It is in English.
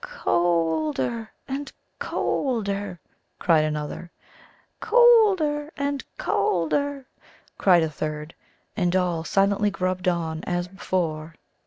"Co older and colder," cried another. "Co older and colder," cried a third. And all silently grubbed on as before.